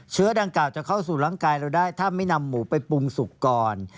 เชื้อดังกล่าจะเข้าสู่ร่างกายเราได้ถ้าไม่นำหมูไปปรุงสุกก่อน